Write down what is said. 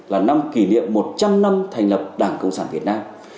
là năm kỷ niệm một trăm linh năm thành lập đảng cộng sản việt nam